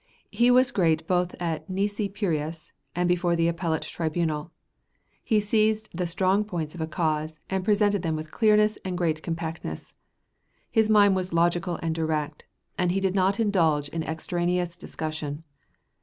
He was great both at nisi prius and before an appellate tribunal. He seized the strong points of a cause, and presented them with clearness and great compactness. His mind was logical and direct, and he did not indulge in extraneous discussion.